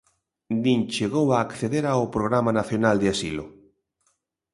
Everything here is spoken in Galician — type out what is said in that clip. Nin chegou a acceder ao Programa Nacional de Asilo.